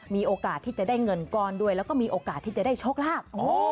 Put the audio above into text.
มีโอกาสที่จะได้เงินก้อนด้วยแล้วก็มีโอกาสที่จะได้โชคลาภ